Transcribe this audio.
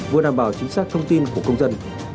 vừa đảm bảo chính xác thông tin của công dân